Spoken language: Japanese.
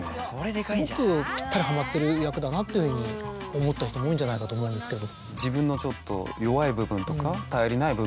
すごくぴったりはまってる役だなっていうふうに思った人も多いんじゃないかと思うんですけど。